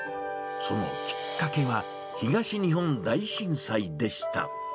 そのきっかけは東日本大震災でした。